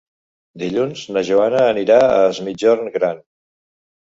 Dilluns na Joana anirà a Es Migjorn Gran.